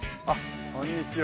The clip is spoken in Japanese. こんにちは。